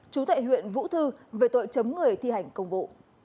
chú tại huyện vũ thư về tội chấm người thi hành công vụ